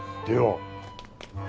では。